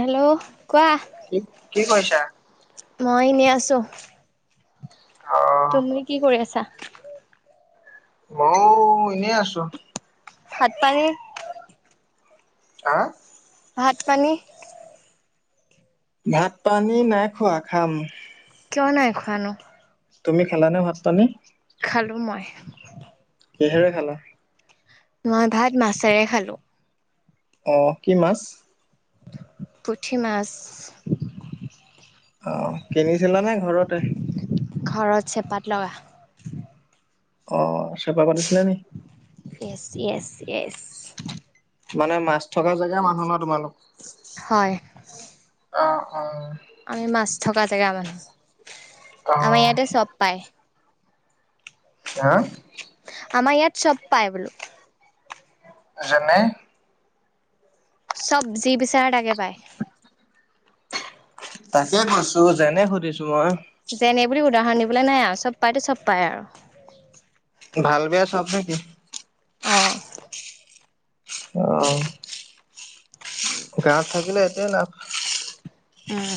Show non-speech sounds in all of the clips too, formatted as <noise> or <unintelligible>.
Hello কোৱা কি কি কৰিছা? মই ইনে আছোঁ। অ তুমি কি কৰি আছা? মইও ইনে আছো। ভাত পানী? আঁ ভাত পানী? ভাত পানী নাই খোৱা খাম। কিয় নাই খোৱানো? তুমি খালা নে ভাত পানী? খালোঁ মই। কিহেৰে খালা? মই ভাত মাছেৰে খালোঁ। অঁ কি মাছ? পুঠি মাছ। ত' ঘৰত চেপাত লগা। অ', চেপা পাতিছিলে নি? Yes yes. মানে মাছ থকা জেগা মানুহ ন তোমালোক? হয়। অ' অ'। আমি মাছ থকা জেগা মানুহ। অ আমা ইয়াতে চব পায়। কিয়া? আমা ইয়াত চব পায় বোলো। যেনে, চব যি বিচাৰা তাকে পাই। তাকে কৈছো যেনে সুধিছোঁ মই। যেনে বুলি উদাহৰণ দিবলে নাই আৰু চব পাইতো চব পাই আৰু। ভাল বেয়া চব নেকি? অ'। অ'। গাঁৱত থাকিলে এইটোৱে লাভ। উম।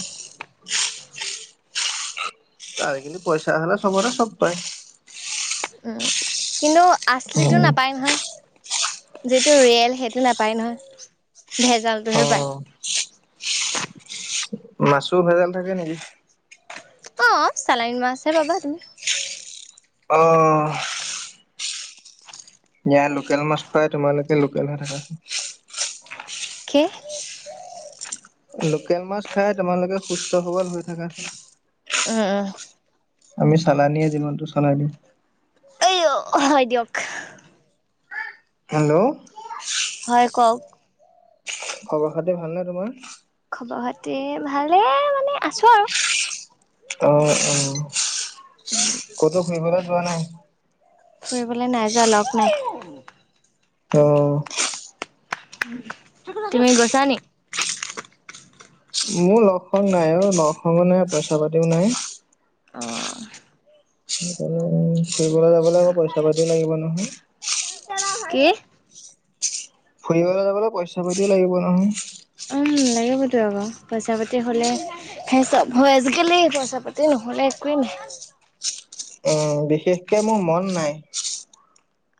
ত আজিকালি পইচা হ'লে চবতে চব পায়। উম, কিন্তু আছলিটো নাপায় নহয়। যিটো ৰিয়েল সেইটো নাপায় নহয়, ভেজালটোহে পায়। মাছোঁ ভেজাল থাকে নেকি? অ', চালানি মাছ হে পাবা তুমি। অ'। ইয়া লোকেল মাছ খুৱাই তোমালোকে লোকেল হৈ থাকা। কি? লোকেল মাছ খাই তোমালোকে সুস্থ সৱল হৈ থাকা। এ, এ। আমি চালানিয়ে যিমানটো চালাই দিম। এই হয় দিয়ক। হেল্ল'। হয় কওক। খবৰ খাতি ভালনে তোমাৰ? খবৰ খাতি ভালে মানে আছোঁ আৰু। অ', অ' ক'তো ফুৰিবলৈ যোৱা নাই? ফুৰিবলৈ নাই যোৱা লগ নাই। অ'। তুমি গৈছা নি? মোৰ লগ চগ নাই অ', লগ চ নাই, পইচা পাতিও নাই। অ'। ফুৰিবলৈ গলে আকৌ পইচা পাতিও লাগিব নহয়। কি ফুৰিবলৈ যাবলৈ পইচা পাতিও লাগিব নহয়। উম, লাগিবতো আকৌ। পইচা পাতি হ'লে হে চব হয় আজিকালি, পইচা পাতি নহ'লে এক <unintelligible> এ, বিশেষকে মোৰ মন নাই।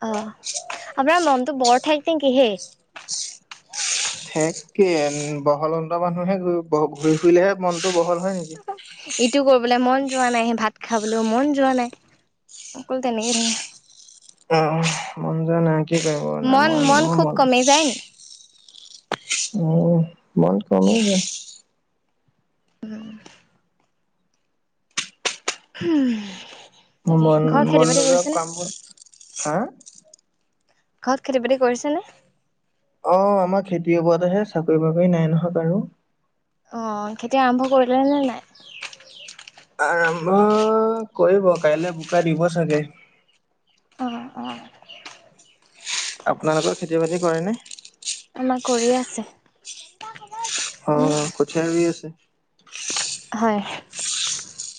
আহ, আপোনাৰ মনটো বৰ ঠেকঠেককে হেই। ঠেক্কে, বহল অন্ত মানুহে ঘূৰি ফুৰিলেহে মনতটো বহল হয় নেকি? এইটো কৰিবলৈ মন যোৱা নাই, সেই ভাত খাবলৈও মন যোৱা নাই। আকৌ তেনেকেই থাকে। অ', অ' মন যোৱা নাই, কি কৰিব মন ম-মোৰ খুব মন। কমি যায় নি উ, মন কমিলগে। উম। হুম। মন মনোযোৱাক কামবোৰ, হা? ঘৰত খেতি বাতি কৰিছেনে? অ' আমাৰ খেতিৰ ওপৰতহে, চাকৰি বাকৰি নাই নহক আৰু। অ' খেতি আৰম্ভ কৰিলে নে নাই? আৰম্ভ কৰিব, কাইলৈ বোকা দিব চাগে। অ', অ'। আপোনালোকৰ খেতি বাতি কৰেনে? আমাৰ কৰিয়ে আছে। অ' কঠিয়ীয়া ৰুই আছে? হয়।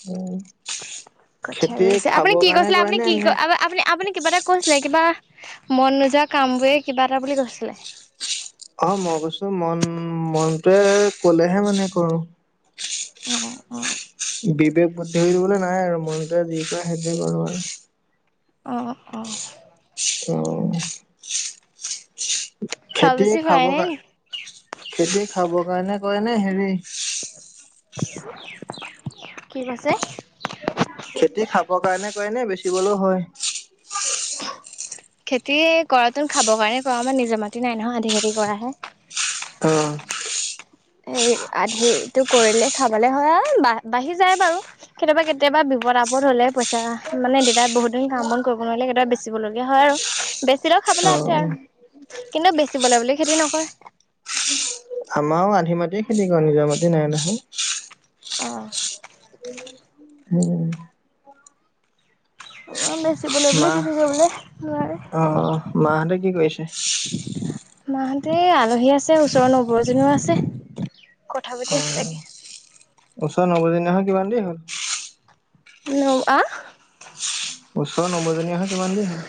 উ। কঠিয়া ৰুই আছে। আপুনি কি কৈছিলে, আপুনি কি নে আপনি আপুনি কিবা এটা কৈছিলে কিবা। মন নোযোৱা কামবোৰে কিবা এটা বুলি কৈছিলে। অ' মই কৈছোঁ মন মনটোৱে কলেহে মানে কৰোঁ। অ', অ'। বিবেক বুদ্ধি হৈ দিবলৈ নাই আৰু, মনটো যি কৰে সেইটোৱে কৰোঁ আৰু। অ', অ'। অ'। চাউল খেতি বেছি খাব হোৱাই নাই কাৰ, নি? খেতি খাব কাৰণে কৰে নে হেৰি কি কৈছে? শিকিবলৈ হয়। খেতি কৰাটোন খাব কাৰণে কৰোঁ, আমাৰ নিজৰ মাটি নাই নহয়, আধি খেতি কৰাহে। অ'। এ, আধিটো কৰিলে খাবলে হয় আৰু, বা-বাঢ়ি যায় বাৰু কেতিয়াবা কেতিয়াবা। বিপত আপদ হ'লে পইচা মানে দেতাই বহুত দিন কাম বন কৰিব নোৱাৰিলে, কেতিয়াবা বেচিব লগগীয়া হয় আৰু বেছিলেও। খাবলৈ আটে আৰু কিন্তু বেচিবলে বুলি খেতি নকৰে। আমাৰও আধি মাটিয়ে খেতি কৰে। নিজৰ মাটি নাই নহয়। আহ। <unintelligible> অ' বেছি। বেচিবলৈ বুলি মা খেতি কৰিবলে নোৱাৰে। অ মাহঁতে কি কৰিছে? মাহঁতে আলহী আছে, ওচৰৰ নৌবো এজনীও আছে কথা পাতি আছে তাকে। ওচৰ নৌবো জনি অহা কিমান দেই হ'ল। ন আহ। ওচৰ নবজনীয়া অহা কিমান দেৰি হ'ল।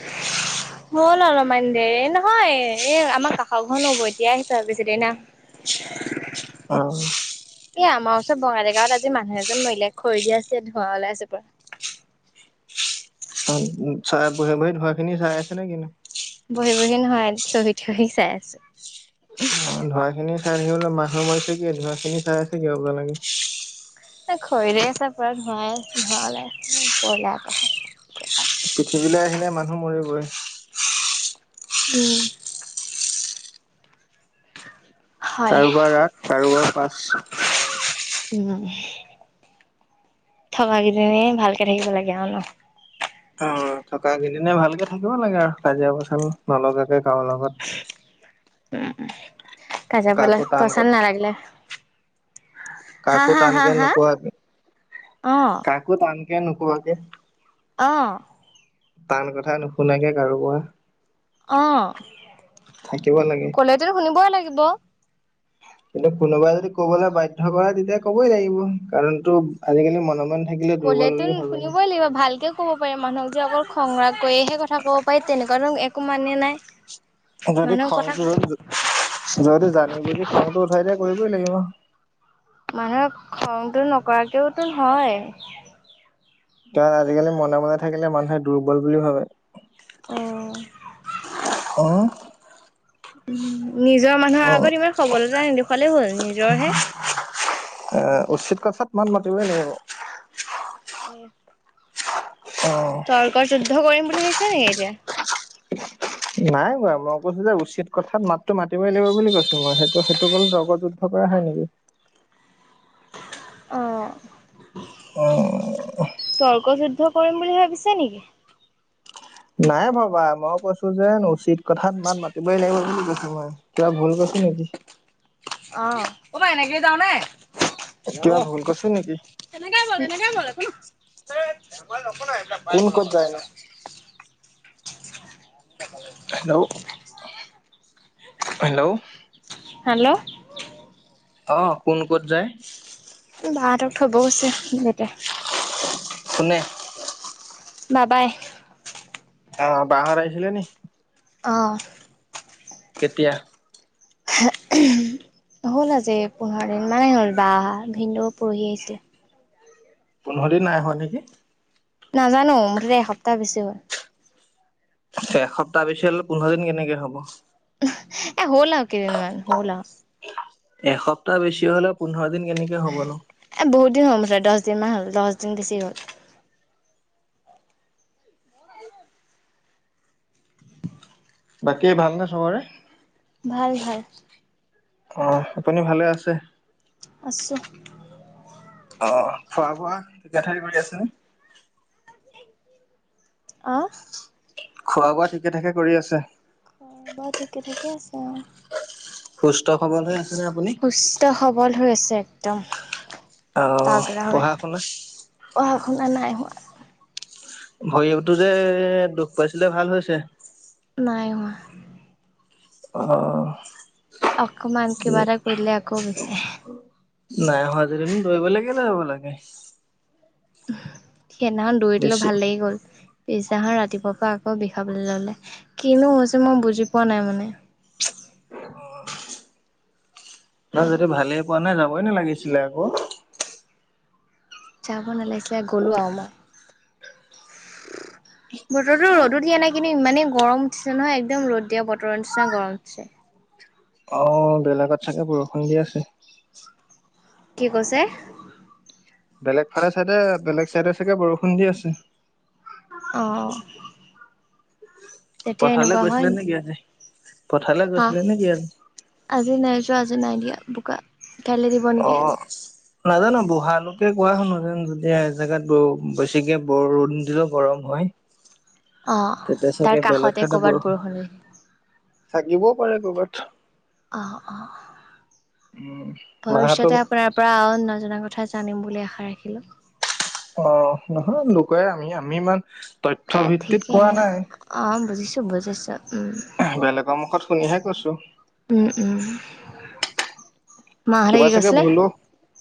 হ'ল অলপমান দেৰি নহয় এই আমাৰ কাষৰ ঘৰ নৌবো এতিয়া আহিছে সিদিনা। <unintelligible> এ আমাৰ ওচৰত বঙাইীগাঁৱত আজি মানুহ এজন মৰিলে খৰি দি আছে, ধোঁৱা ওলাই আছে পুৰা। অ' চাই বহি বহি ধোৱা খিনি চাই আছে নে কিন্তু? বহি বহি নহয় থিয়হি থিয়হি চাই আছো। অ' ধোৱা খিনি চাই থাকিবলৈ মানুহ মাৰিছে কি ধোৰা খিনি চাই আছে কি আপোনালোকে। ঘৰৰে আছে পোৰা ধোৱাই আ ধোৱা ওলায় কতা। পৃথিৱীলৈ আহিলে মানুহ মৰিবই। উম। <unintelligible> কাৰোবাৰ ৰাগ কাৰোবাৰ পাঁচ। উম, থকাকেইদিন ভালকে থাকিব লাগে আৰু ন। অ' থকা কেদিন নে ভালকে থাকিব লাগে আৰু কাজিয়া পচাল নলগাকে। কাৰো লগত। উম, কাজাপাল কাকো টান পচন্দ নালাগিলে। হা কাকো হা হা টানকে হা নোকয়, অ কাকো টান কিয় নোকোৱাকে। আহ। টান কথা নুশুনাকে কাৰোবাৰ। অ' থাকিব লাগে। কলেটো শুনিবই লাগিব। কিন্তু কোনোবাই যদি ক'বলৈ বাধ্য কৰাই তেতিয়া ক'বই লাগিব, কাৰণ টো আজিকালি মনে মনে। থাকিলে ক'লে দুৰ্বল তোন বুলি ভাবে ন। শুনিবই লাগিব ভালকে। ক'ব পাৰি মানুহক যে অকল খংৰাগ কৰিহে সেই কথা ক'ব পাৰি তেনেকুৱা ধৰো একো মানে নাই। যদি মানুহৰ কথা খংটো যদি যদি জানি বুজি খংটো উঠাই দিয়া কৰিবই লাগিব। মানুহে খংটো নকৰাকেওতো হয়। কাৰণ আজিকালি মনে মনে থাকিলে মানুহে দুৰ্বল বুলি ভাবে। অ' অ' নিজৰ মানুহৰ অ আগত ইমান খবলতা নে দেখুৱালে হ'ল নিজৰ হে। এ উচিত কথাত মাত মাতিবই লাগিব। <unintelligible> অ তৰ্ক যুদ্ধ কৰিম বুলি ভাবিছ নেকি এতিয়া। <unintelligible> নাই কোৱা মই কৈছো, যে উচিত কথাত মাতো মাতিবই লাগিব বুলি কৈছো। মই সেইটো সেইটো ক'লে <unintelligible> কৰা হয় নেকি। আহ। অহ' হ। তৰ্ক যুদ্ধ কৰিম বুলি ভাবিছে নেকি? নাই ভবা মই কৈছো যে উচিত কথাত মাত মাতিবই লাগিব বুলি। ছ মই কিবা ভুল কৈছো নেকি? অ', কবা এনেকে যাওঁ নে? কিবা ভুল কৈছোঁ নেকি? তেনেকেই বল, তেনেকেই বল কোন ক'ত যায় নো <unintelligible> <unintelligible> হেল্ল', হেল্ল'। <inaudible> অ', কোন ক'ত যায়? বাহতক থব গৈছে দেউতাই। কোনে? বাবাই। অ', বাহঁত আহিছিলে নি? অ'। কেতিয়া? <inaudible> হ'ল আজি পোন্ধৰ দিন মানে হ'ল বা অহা ভিনদেও পৰহি আহিছিলে। পোন্ধৰ দিন নাই হোৱা নেকি? নাজানো মুঠতে এসপ্তাহ বেছি হ'ল। এসপ্তাহ বেছি হ'লে, পোন্ধৰ দিন কেনেকে হ'ব? এ, হ'ল আও কেইদিনমান হ'ল আও। এসপ্তাহ বেছি হ'লে, পোন্ধৰ দিন কেনেকে হ'ব ন? <unintelligible> দহ দিনমান হ'ল, দহ দিন বেছি হ'ল। বাকী ভাল নে চবৰে? ভাল ভাল অ', আপুনি ভালে আছে? আছোঁ। অ', খোৱা বোৱা ঠিকে থাকে কৰি আছে? অ', খোৱা বোৱা ঠিকে ঠাকে কৰি আছে? অ', খোৱা বোৱা ঠিকে ঠাকে আছে অ'। সুস্থ সবল হৈ আছে? সুস্থ সবল হৈ আছে একদম। অ', তাগ্ৰা হয়, পঢ়া শুনা? পঢ়া শুনা নাই হোৱা। ভৰিতো যে দুখ পাইছিলে ভাল হৈছে? নাই হোৱা। অ'। অকমান কিবা এটা কৰিলে আকৌ বিষাই। নাই হোৱা যদি দৌৰিব কিয় যাব লাগে। সেইদিনাখন দৌৰি দিলোঁ বেছি ভাল লাগি গ'ল। পিছদিনাখন ৰাতিপুৱাৰ পৰা আকৌ বিষাবলৈ ল'লে, কিনো হৈছে মই বুজি পোৱা নাই মানে। <inaudible> তই যদি ভালেই পোৱা নাই যাবই নালাগিছিলে আকৌ? যাব নালাগিছিলে গ'লো আৰু মই। <inaudible> বতৰটো ৰ'দদো দিয়া নাই, কিন্তু ইমানেই গৰম উঠিছে নহয়, একদম ৰ'দ দিয়া বতৰ নিচিনা গৰম উঠিছে। অ', বেলেগত চাগে বৰষুণ দি আছে। কি কৈছে? বেলেগ ফালে চাইডে, বেলেগ চাইডে চাগে বৰষুণ দি আছে। অ'। তেতিয়া পথাৰলৈ গৈছিলা নে যোৱা নাই? অ', আজি নাই যোৱা আজি নাই দিয়া। বোকা কাইলৈ দিব নেকি। অ', নাজানো বুঢ়ালোকে কোৱা শুনোঁ যেন যেতিয়া জেগাত ব বেছিকে বৰুণ দিলেও গৰম হয়। <inaudible> অ তেতিয়া তাৰ চাগে বেলেগ কাষতে চাইদে কৰ'বাত বৰষু, বৰষুণ দিলে থাকিবওঁ পাৰে কৰ'বাত। অ', অ'। মাহতো ভৱিষ্যতে আপোনাৰ পৰা নজনা কথা জানিম বুলি আশা ৰাখিলোঁ। অ', নহয় লোকে আমি আমি ইমান তথ্য ভিত্তিত কোৱা নাই। তো বুজিছোঁ। <unintelligible> বেলেগৰ মুখত শুনিহে কৈছোঁ। উম, উম। মাহঁতে কিবা কি চাগে কৈছিলে? ভুলো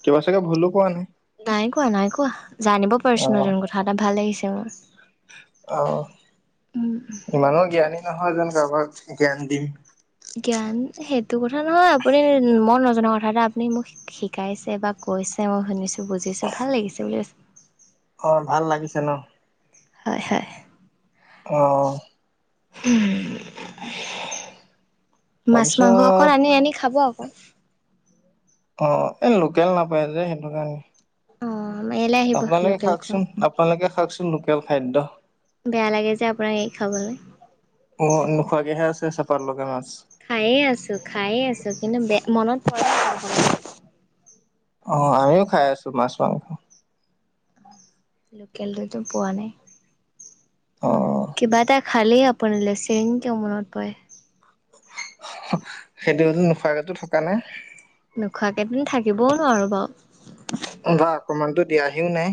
কিবা চাগে ভূলো কোৱা নাই। নাই কোৱা নাই কোৱা, জানিব অ পাৰিছোঁ নতুন কথা এটা ভাল লাগিছে মোৰ। অ', উম ইমানো জ্ঞানী নহয় যেন কাৰোবাক জ্ঞান দিম। জ্ঞান, সেইটো কথা নহয় আপুনি মই নজনা কথা এটা আপুনি মোক শি-শিকাইছে বা ক কৈছে মই শুনিছোঁ বুজিছোঁ ভাল লাগিছে বুলি কৈছে। অ', ভাল লাগিছে ন। হয় হয়। অ'। <unintelligible> মাছ মাংস অকণ তাৰপিছত আনি আনি খাব আকৌ। অ', এ লোকেল নাপায় যে সেইটো কাৰণে। অ ইয়ালৈ আহিব আপোনালোকে লোকেল খোৱা খাওকচোন আপোনালোকে খাওকচোন লোকেল খাদ্য। বেয়া লাগে যে আপোনাক এৰি খাবলে। অ', নোখোৱাকেহে আছে চেপাত লগা মাছ। খায়ে আছো, খায়ে আছো কিন্তু বে-মনত <unintelligible> অ', আমিও খাই আছো মাছ মাংস। লোকেল দৈ তো পোৱা নাই। অ'। কিবা এটা খালেই আপুনালৈ চেং কে মনত পৰে। <inaudible> সেইটোৱেতো নোখোৱাকেটো থকা নাই। নোখোৱাকেইটোন থাকিবও নোৱাৰোঁ বাৰু। বা অকমানটো দিয়াহিও নাই।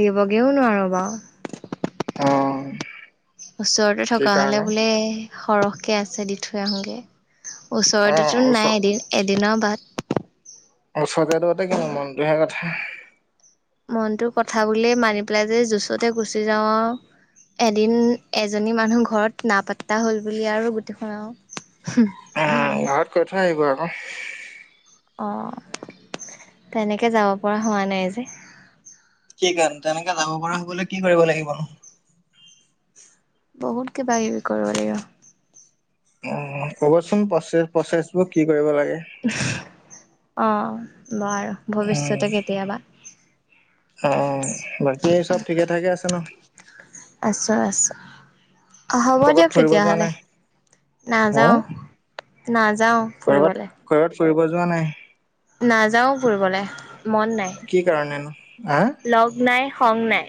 দিবগেও নোৱাৰো বাও। অ। ওচৰতে কি থকা হলে কাৰণে বোলে সৰহকে আছে দি থৈ আহোংগে। অ ওচৰতেতো ওচ নাই এদিন-এদিনৰ বাট। ওচৰতে দুৰতে কিনো মনটোহে কথা। মনটো কথা বুলিয়েই মাৰি পেলাইযে জছতে গুচি যাওঁ আৰু। এদিন, এজনী মানুহ ঘৰত নাপাত্তা হ'ল বুলি আৰু গোটেইখন আও। <inaudible> ঘৰত কৈ থৈ আহিবা আকৌ। অ', তেনেকে যাব পৰা হোৱা নাই যে। কি কাৰণে, তেনেকে যাব পৰা হ'বলে কি কৰিব লাগিবনো?। বহুত কিবা কিবি কৰিব লাগিব। <inaudible> ক'বচোন প্ৰচে-প্ৰচেছবোৰ কি কৰিব লাগে। অ', বাৰু, উম। ভৱিষ্যতে কেতিয়াবা। অ', বাকী চব ঠিকে ঠাকে আছে ন। আছো-আছো, হ'ব ক'বাত দিয়ক ফুৰিব যোৱা তেতিয়াহ'লে। নাই হা? নাযাওঁ, নাযাওঁ কৰবাত ফুৰিবলে। কৰবাত ফুৰিব যোৱা নাই? নাযাওঁ ফুৰিবলে। মন নাই কি কাৰণেনো? হা লগ নাই, সং নাই।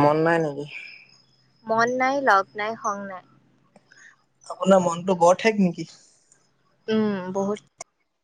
মন নাই নেকি? মন নাই, লগ নাই, খং নাই। আপোনাৰ মনটো বৰ ঠেক নেকি? উম, বহুত।